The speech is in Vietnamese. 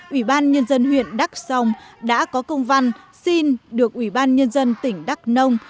ủy ban nhân dân huyện đắk song đã có công văn xin được ủy ban nhân dân tỉnh đắk nông